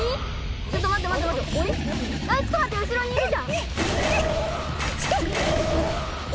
ちょっと待って待って鬼？